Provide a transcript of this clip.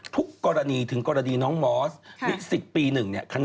ทุกกรณีถึงกรณีน้องหมอ๑๐ปีหนึ่ง